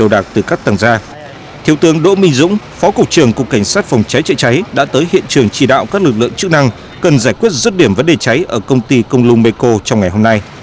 lực lượng chữ năng cần giải quyết rút điểm vấn đề cháy ở công ty công lung mê cô trong ngày hôm nay